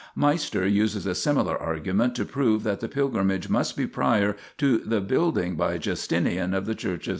Meister uses a similar argument to prove that the pilgrimage must be prior to the building by Justinian of the Church of S.